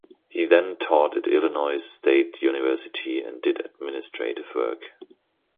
He then taught at Illinois State University and did administrative work.